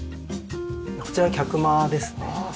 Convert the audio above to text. こちらは客間ですね。